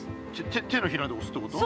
手のひらでおすってこと？